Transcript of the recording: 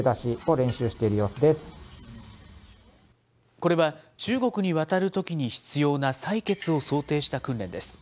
これは中国に渡るときに必要な採血を想定した訓練です。